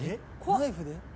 ・ナイフで？